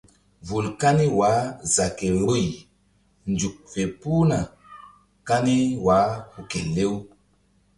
Vul kani wah za ke vbuyzuk fe puhna kani wah hu kelew.